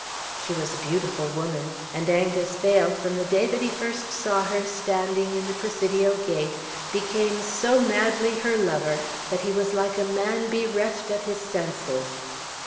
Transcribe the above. She was a beautiful woman; and Angus Phail, from the day that he first saw her standing in the Presidio gate, became so madly her lover, that he was like a man bereft of his senses.